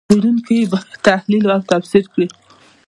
څېړونکي یې باید تحلیل او تفسیر کړي.